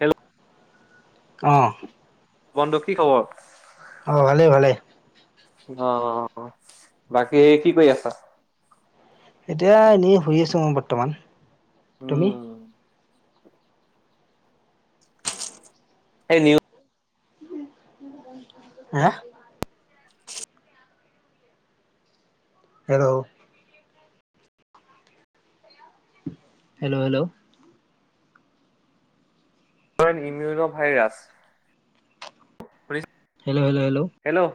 Hello অ', বন্ধু কি খবৰ? অ', ভালে, ভালে। অ, বাকী কি কৰি আছা? এতিয়া এনেই শুই আছো মই বৰ্তমান তুমি? উম সেই নিউ হাহ, হেল্ল', হেল্ল' হেল্ল'। ইমৰিউন virus. [unintelligible] Hello hello hello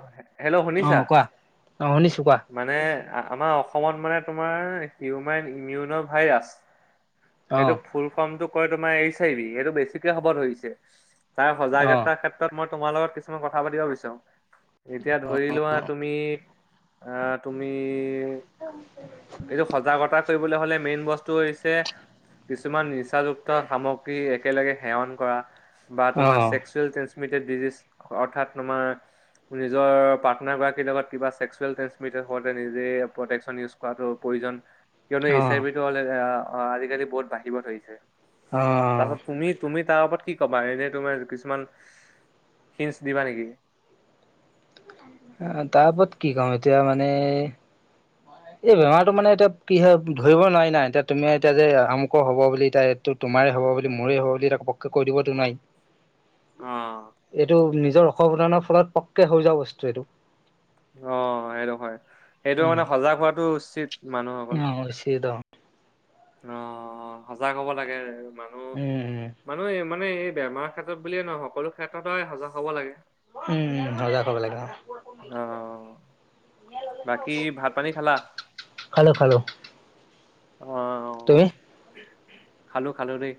hello অ শুনিছা কোৱা অ শুনিছো কোৱা মানে। আমাৰ অসমত মানে তোমাৰ হিউমেন ইমউনৰ ভাইৰাছ। অ সেইটো ফুল ফৰ্মটো কয় তোমাৰ এইচ আই ভি এইটো বেছিকে হব ধৰিছে। তাৰ অ সজাগতাৰ ক্ষেত্ৰত মই তোমাৰ লগত কিছুমান কথা পাতিব বিচাৰোঁ এতিয়া ধৰি লোৱা। তুমি অ তুমি। এইটো সজাগতা কৰিবলৈ হ'লে মেইন বস্তু। হৈছে কিছুমান নিচাযুক্ত সামগ্ৰী একেলগে সেৱন কৰা। বা অ তোমাৰ চক্সুৱেল ট্ৰেিটেড ডিিজ অৰ্থাৎ তোমাৰ নিজৰ পাৰ্টনাৰ গৰাকীৰ লগত কিবা চছেক্সুৱেল ট্ৰেিন হতে নিজে প্ৰেকচন ইউজ কৰাটো প্ৰয়োজন কিয়নো অ এইচ আই বি টো অ আজিকালি বহুত বাঢ়িব ধৰিছে অ তাৰপাছত তুমি তুমি তাৰ ওপৰত কি কবা এনে তুমাৰ কিছুমান হি দিবা নেকি আহ তাৰ ওপৰত কি কম এতিয়া মানে এই বেমাৰতটো মানে এতিয়া কি হয় ধৰিব নোৱাৰি নাই এতিয়া তুমি এতিয়া যে আমুক হব বুলি এতিয়া এইটো তম তোমাৰে হ'ব বুলি মোৰে হ'ব বুলি তাক পকে কৈ দিবতো নাই অ', এইটো নিজৰ অসাৱধানৰ ফলত পক্কে হৈ যওঁ বস্তু এইটো অ সেইটো হয় সেইটো মানে উম সজাগ হোৱাাতটো উচিত মানুহসকল িত অ সজাগ হ'ব লাগে মানুহ উম উম মানুহে মানে এই বেমাৰ ক্ষেত্ৰত বুলিয়ে নহয় সকলো ক্ষেত্ৰতোই সজাগ হ'ব লাগে উম উ সজা হব লাগিব অ', বাকী ভাত পানী খালা খালো অ তুমি খালো খালোৰে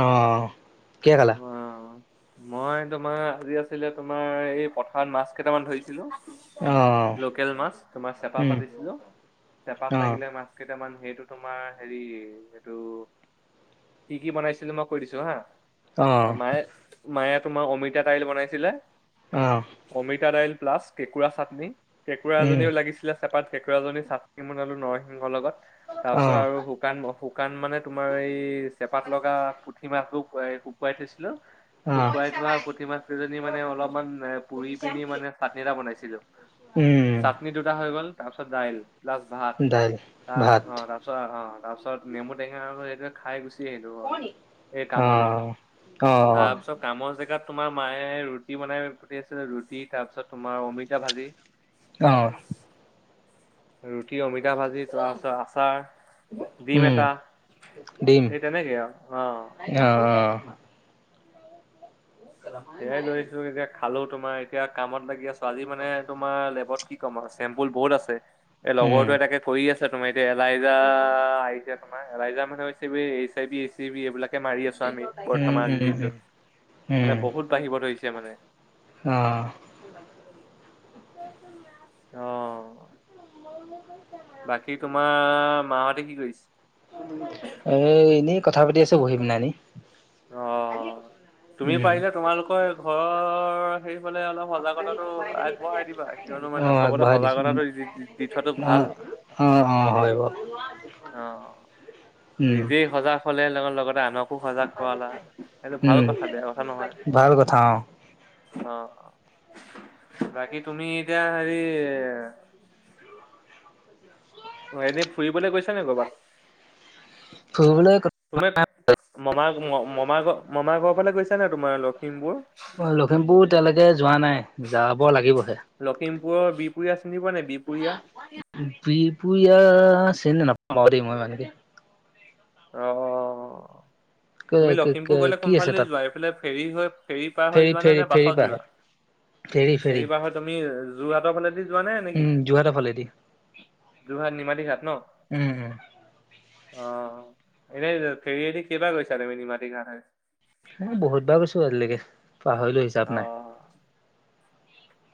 অ কিিয় কালা অ', মই তোমাৰ আজি আছিলে তোমাৰ এই পথাৰত মাছ কেইটামান ধৰিছিলো অ', া উম, সেইটো অ', তোমাৰ হেৰি এইটো কি কি বনাইছিলে মই কৈ দিছো হা অ', মায়ে মায়ে তোমাৰ অমিতা দাইল বনাইছিলে অ', অমিতা দাইল প্লা কেঁকুৰা চাটনি কেঁকুৰা উম, এজনীও লাগিছিলে েপ কেঁকৰাী চাটি বনালো নৰসিংহৰ লগত তাৰ পিছত অ', আৰু শুকান দুোকান মানে তোমাৰ এই চেপাত লগা পুঠি মাছ বোৰ কুকুৱাই থৈছে অ', শুকুৱাই থোৱা পুঠি মাছ কেইজনী মানে অলপমান পুৰি পিনি মানে চাটনি এটা বনাইছিলো উম, চাটনি দুটা হৈ গ'ল তাৰপিছত দাইল প্লাছ ভাত দাইল, ভাত, তাৰাছ অ তাৰ পিছত অ তাৰ পিছত নেমু টেঙা আৰু সেইে খাই গুচ স হল সেই কামলে অ', অ', তাৰপিছত কামত জেগাত তোমাৰ মায়ে ৰুটি বনাই পতি আছিলে ৰুটি তাৰপিছত তোমাৰ অমিতা ভাজি অ ৰুটি অমিতা ভাজি তাৰপিছত আচাৰ উম, দিিমকা ডিম, এই তে নেকে আৰু অ ন সয়াই লৈছো এতিয়া খালো তোমাৰ এতিয়া কামত লাগি আছো আজি মানে তোমাৰ লেবত কি চেম্পুল বহুত আছে এ উম, লগৰো এ তাকে কৰি আছে তোমাৰ এলাইজা আহইজা তোমাৰ এলাইজা মানে হৈছে H I V H I V এইবিলাক মাৰি আছো আমি উম, বৰ্তমান আজিৰ উম, উম, দিনটোত মানে উম, বহুত বাঢ়িব ধৰিছে মানে অ অ বাকী তোমাৰ মাহতে কি কৰিছে এ এনেই কথা পাতি আছো বহি পিনা এনেই অ তুমি উম, পাৰিলে তোমালোকৰ ঘৰ সেইফালে অলপ সজাগতাটো আগবঢ়াই দিবা কিয়নো মানে অ', চবতে আগবঢ়াই দিছো সজাগতাটো দি থোৱাটো ভাল অ অ হয় অ উম, নিজেই সজাগ হলে লগ লগতে আনক খু সজাগ কৰালা সেইটো ভাল উম, কথা বেয়া কথা নহয় ভাল কথা অ', [inaudible] অ বাকী তুমি এতিয়া হেৰি [inaudible] এনেই ফুৰিবলৈ গৈছা নে কৰ'বাত [inaudible] ফুৰিবলৈ [inaudible] মামা মামা ঘ মামা ঘৰৰ ফালে গৈছা নে তোমাৰ লখিমপুৰ [inaudible] লখিমপুৰ এতিয়ালৈকে যোৱা নাই যাব লাগিবহে লখিমপুৰৰ বিপুৰীয়া চিনি পোৱা নাই বিপুয়া চিনি নাপাওঁ পাওঁ দে মই মানকে অ তুমি লখিমপুৰ গলে কি আছে কোনফালদি তাত যোৱা এইফালে ফেৰী হৈ ফেৰী পাৰ হৈ যোৱা নে ফেৰী নে ফেৰী বাছত পাৰ যোৱা হয়। ফেৰী ফেৰী হেৰিবাৰ হয় তুমি যোৰহাটৰ ফালে যোৱা নাই নেকি উম যোৰহাটৰ ফালেদি ঘাট ন? উম উম [inaudible] অ এনে ফেৰিদি কেবা গৈছা তুমি নিমাটি ঘাট অ বহুত বাৰ গৈছো আজিলৈকে পাহৰিলো হিচাপ নাই [inaudible]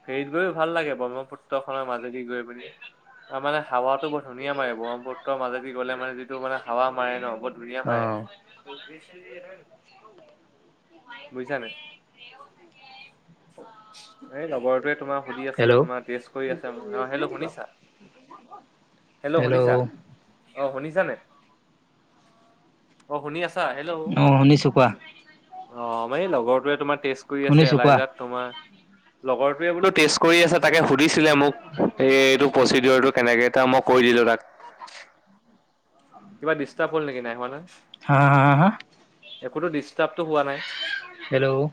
ফেৰিত গৈও ভাল লাগে ব্ৰহ্মপুত্ৰখনৰ মাজেদি গৈ পেলি [inaudible] অ মানে হাৱাতো বৰু ধুনীয়া মে ব্ৰহ্মপুত্ৰ মাজেদি গ'লে মানে যিটো মানে হাৱা মাৰে ন বহুত ধুনীয়া অ মাৰে ন [inaudible] বুজিছানে [inaudible] এই লগৰটোৱে তোমাক সুধি আছিলে হেল্ল' তোমাৰ টেষ্ট কৰি আছে অ হেল্লো' শুনিছা হেল্লো' হেল্ল' শুনিছা অ অ শুনিছা অ শুনি আছে অ শুনিছা কোৱা অ মানে এই লগৰটোৱে তোমাৰ টেষ্ট কৰি আছে শুনিছো কোৱা এলাইজাত তোমাৰ [inaudible] লগৰটোৱে বোলো টেষ্ট কৰি আছে তাকে সুধিছিলে মোক এই এইটো প্ৰচিডৰটো কেনেকে এটা মোক কৈ দিলোঁ তাক [inaudible] কিবা ডিষ্টাৰ্ব হল নেকি নাই হোৱা হা হা হা একোতো ডিষ্টাৰ্বটো হোৱা নাই হেল্লো'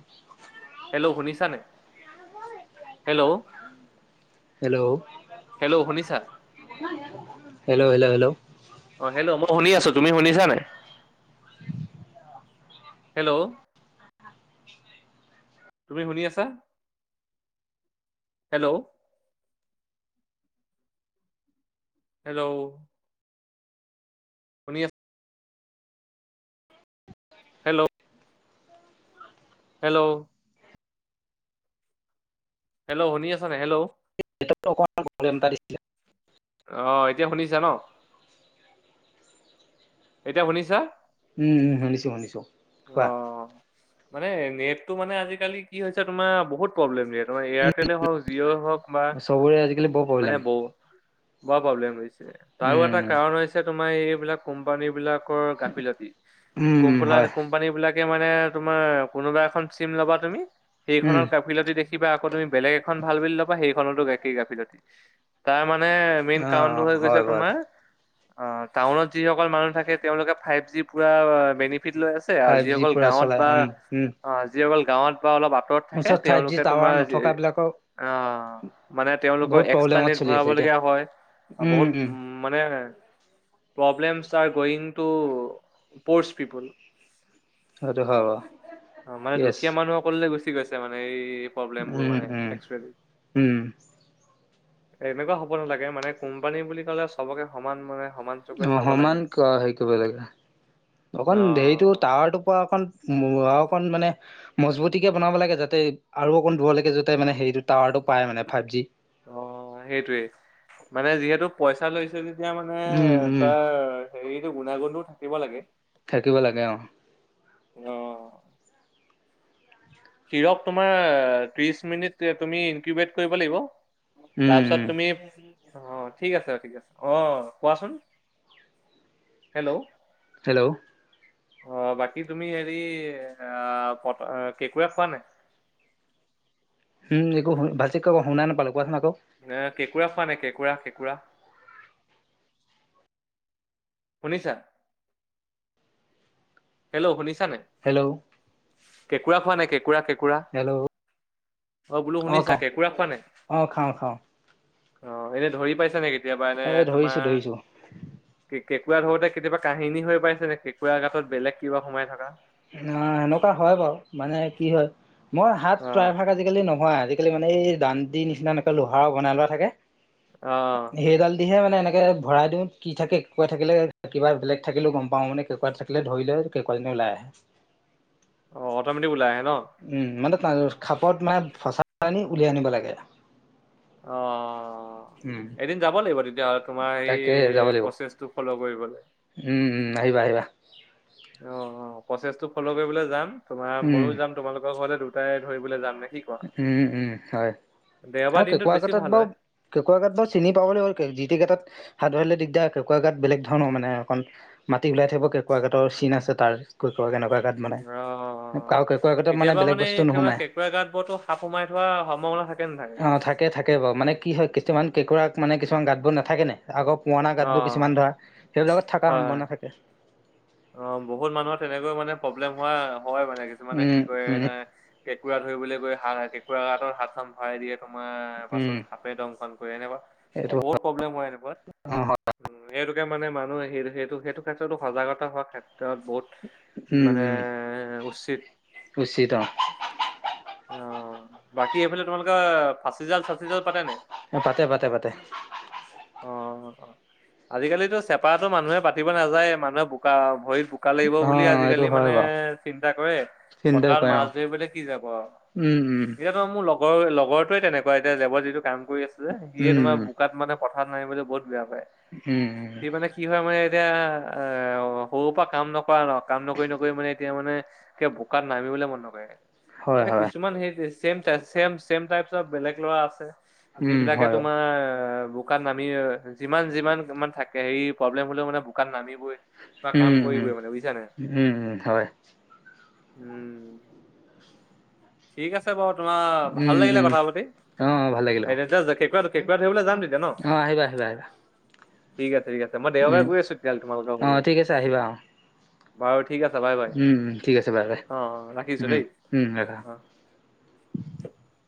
হেল্লো' শুনিছা নে হেল্লো' হেল্লো' হেল্লো' শুনিছা [inaudible] হেল্লো' হেল্লো' হেল্লো' অ হেল্লো মই শুনি আছো তুমি শুনিছা নে হেল্লো' [inaudible] তুমি শুনি আছা [inaudible] hello [inaudible] hello hello hello hello শুনি আছা নে হেল্লো' অকণমান অহ এতিয়া শুনিছা ন [inaudible] এতিয়া শুনিছা উম উম শুনিছো শুনিছো কোৱা [inaudible] অ', মানে নেটতটো মানে আজিকালি কি হৈছে তোমাৰ বহুত প্ৰব্লেম নেট তোৰ এয়াৰটেলে হওঁক জিঅ' হওঁক বা উম চবৰে আজিকালি বৰ মানে প্ৰব্লেম ব বৰ প্ৰব্লেম দিছে তাৰো এটা উম। কাৰণ হৈছে তোমাৰ এইবিলাক কোম্পানী বিলাক ৰ গাফিলতি উম, উম, কোমপ্লা হয়, কোম্পানী বিলাক মানে তোমাৰ কোনোবা এখন চিম ল'বা তুমি উম, সেইখনৰ গাফিলতি দেখি কিবা আকৌ তুমি বেলেগ এখন ভাল বুলি ল'বা সেইখনতো একেই গাফিলতি তাৰ মা নে মেইন অ', কাৰণটো অ', হৈ গৈছে হয় বাৰু। তোমাৰ অহ টাউনত যিসকল মানুহ থাকে তেওঁলোকে ফাইভ জি পুৰা বেনি ফিট লৈ আছে আৰু ফাইভ জি যিসকল পুৰা গাঁৱত চলাই বা উম, উম, অহ যিসকল গাঁৱত বা অলপ আঁতৰত থাকে ওচৰত ফাইভ জি তেওঁলোকে টাৱাৰ তোমাৰ এ নথকা বিলাকৰ অহ মানে তেওঁলোকৰ বহুত একস্ট্ৰা প্ৰব্লেমত নেট চলি আছে এতিয়া, ভৰাবলগীয়া হয় বহুত উম মানে problems are going to pose people. এইটো হয় বাও অ মানে দুখীয়া মানুহ সকললে গুচি গৈছে মানে এই প্ৰব্লেমবোৰ উম, মানে উম, একচুৱেলী উম, এনেকুৱা হ'ব নালাগে মানে কোম্পানী বুলি ক'লে চবকে সমান মানে সমান চকুৰে অহ চাব লাগে। সমান কা হেৰি কৰিব লাগে অকণ দেইটো অ', টাৱাৰটোৰ পৰা অকণ অকণ মানে মজবুতি কে বনাব লাগে যাতে আৰু অকণ দূৰলৈকে যাতে মানে হেৰিটো টাৱাৰটো পায় মানে ফাইভ জি অহ সেইটোৱে মানে যিহেতু পইচা লৈছে যে তিয়া মানে উম, উম, তাৰ হেৰিটো গুণাগুণটো থাকিব লাগে থাকিব লাগে অহ অহ হিৰক তোমাৰ আ ত্ৰিশ মিনিট তুমি ইনকিউবেট কৰিব লাগিব উম, তাৰপিছত উম, তুমি অ ঠিক আছে ঠিক আছে, অ কোৱাচোন হেল্ল' হেল্ল' অহ বাকী তুমি হেৰি আ কট আ কেঁকোৰা খোৱা নাই হম একো শু ভালছে ক' শুনা নাপালো কোৱাচোন আকৌ এহ কেঁকোৰা খোৱা নাই কেঁকোৰা কেঁকোৰা শুনিছা হেল্ল' শুনিছা নাই? হেল্ল' কেঁকুৰা খোৱা নাই কেঁকুৰা কেঁ হেল্ল' অ বোলো শুনিছা কেঁকোৰা খোৱা নাই অ খাওঁ খাওঁ অহ এনে ধৰি পাইছা নে কে তিয়াবা এনে এ ধৰিছো তোমাৰ, ধৰিছো অ কে কেঁকোৰা ধৰোতে কেতিয়া কাহিনী হৈ পাইছে নাই কেঁকোৰা গাতত বেলেগ কিবা সোমাই থকা অহ এনেকুৱা হয় বাৰু মানে কি হয় মই হাত অ প্ৰায়ভাগ আজিকালি নোভৰাওঁ আজিকালি মানে এই দানটি নিচিনা এনেকা লোহাৰ বনাই লোৱা থাকে অ সেইডাল দিহে মানে এনে কে ভৰাই দিওঁ কি থাকে কেঁকোৰা থাকিলে কিবা বেলেগ থাকিলেও গম পাওঁ মানে কেঁকোৰা থাকিলে ধৰিলে কেঁকোৰাজনী ওলাই আহে অ অট'মেটিক ওলাই আহে ন উম মানে তা খাপত মানে ফচাই আনি উলিয়াই আনিব লাগে অহ উম এদিন যাব লাগিব তেতিয়া হ'লে তোমাৰ এই তাকে যাব লাগিব প্ৰচেছটো ফ'ল' কৰিব উম উম আহিবা আহিবা অ অ প্ৰচেছটো ফ'ল' কৰিবলৈ যাম তোমাৰ উম মইয়ো যাম তোমালোকৰ ঘৰলে দুটাই ধৰিবলে যাম নে কি কোৱা উম উম হয় দেওবাৰ আৰু দিনটোত কেঁকোৰা বেছি গাতত ভাল বাৰু হয় কেঁকোৰা গাত বাৰু চিনি পাবলে হ' যি টি গাতত হাত ধৰিলে দিগদাৰ কেঁকোৰা গাত বেলেগ ধৰণৰ মানে অকণ মাটি ওলাই থাকিব কেঁকোৰা গাতৰ চিন আছে তাৰ ত কেনেকুৱা গাত মানে উম, অ আও কেঁকোৰা গাঁতত মানে কেতিয়াবা বেলেগ বস্তু একেবাৰে নুসোমাই। কেঁকুৰা গাঁত বৰতো সাপ সোমাই থোৱা সম্ভাৱনা থাকে নাথাকে অ থাকে থাকে বাৰু মানে কি হয় কিছুমান কেঁকৰাক মানে কিছুমান গাঁতবোৰ নাথাকে নাই আগৰ পুৰণা অ গাতবোৰ কিছুমান ধৰা সেইবিলাকত থকাৰ হয় হয় সম্ভাৱনা থাকে। অ বহুত মানুহৰ তেনেকৈ মানে প্ৰব্লেম হোৱা হয় মানে কিছুমানে কি উম কৰে উম এনে কেঁকোৰা ধৰিবলৈ গৈ হাত কেঁকুৰা গাতত হাতখন ভৰাই দিয়ে তোমাৰ পাছত উম সাপে দংশন হয় এনেকুৱা এ এইটো হয়, বহুত প্ৰব্লেম হয় এনেকুৱাত--উ অ হয় এটো এতিয়া মানে মানুহ সেইটো সেইটো ক্ষেত্ৰতো সজাগতা হোৱা বহুত উম মানে উম উচিত উচিত অ' বাকী এইফালে তোমালোকে ফাচি জাল চাচি জাল পাতে নে, অ পাতে পাতে পাতে অ', অ' আজিকালিতো চেপাটো মানুহে পাতিব নাযায়, মানুহে বোকা ভৰিত বোকা লাগিব অ বুলি এইটো আজিকালি হয় মানে বাৰু চিন্তা কৰে চিন্তা পথাৰত কৰে অ মাছ ধৰিবলে কি যাব আৰু, উম উম সেইয়াটো মোৰ লগৰ লগৰ লগৰটোৱে তেনেকুৱা, এতিয়া লেবত যিটো কাম কৰি আছে যে, সিয়ে উম তোমাৰ উম বোকাত মানে পথাৰত নামিবলৈ বহুত বেয়াপাই, উম উম সি মানে কি হয় মানে এতিয়া অ' সৰুৰ পৰা কাম নকৰা ন, কাম নকৰি নকৰি মানে এতিয়া মানে কিব বোকাত নামি বলে মন নকৰে হয় এতিয়া হয় কিছুমান সেই ছেম, ছেম-ছেম টাইপৰ বেলেগ ল'ৰা আছে উম যিবিলাকে হয় বাৰু। তোমাৰ বোকাত নামি যিমান যিমান ইমান থাকে হেৰি প্ৰব্লেম হলেও মানে বোকাত নামিবই কাম উম উম কৰিবই মানে, বুজিছানে, উম উম হয় উম ঠিক আছে বাৰু তোমাৰ ভাল উম লাগিলে উম কথা পাতি অ অ ভাল লাগিলে অ কেঁকোৰা ধৰিবলৈ যাম তেতিয়া ন? অ', আহিবা আহিবা আহিবা ঠিক আছে, ঠিক আছে, মই দেওবাৰে উম গৈ আছো তেতিয়াল তোমালোকৰ অ ফালে, ঠিক বাৰু ঠিক আছে বাই বাই। উম-উম, ঠিক আছে বাৰু দে অ' অ' ৰাখিছো উম দেই উম এা অ'। [unintelligible] [inaudible]